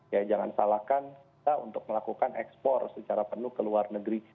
ya jangan salahkan kita untuk melakukan ekspor secara penuh ke luar negeri